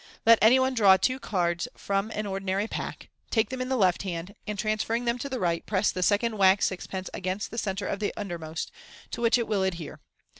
Let any one draw two cards from any ordinary pack. Take them in the left hand, and, transferring them to the right, press the second waxed sixpence against the centre of the undermost, to which it will adhere.